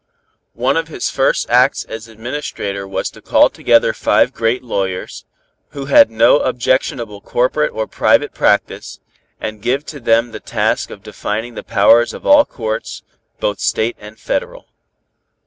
One of his first acts as Administrator was to call together five great lawyers, who had no objectionable corporate or private practice, and give to them the task of defining the powers of all courts, both State and Federal.